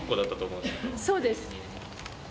そうです。